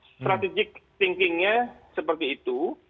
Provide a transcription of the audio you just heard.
strategik thinkingnya seperti itu